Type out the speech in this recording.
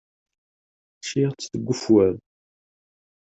Ččiɣ-tt deg ufwad.